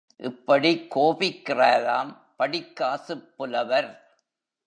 இப்படிக் கோபிக்கிறாராம் படிக்காசுப் புலவர்.